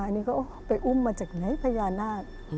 อันนี้เขาไปอุ้มมาจากไหนพญานาค